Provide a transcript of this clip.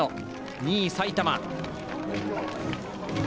２位、埼玉。